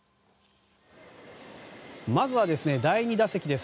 まずは第２打席です。